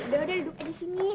udah udah duduk aja di sini